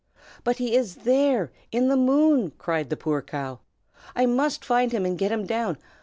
"But he is there, in the moon!" cried the poor cow. "I must find him and get him down.